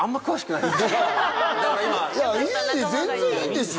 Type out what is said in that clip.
いい全然いいんですよ。